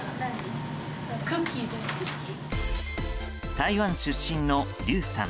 台湾出身のリュウさん。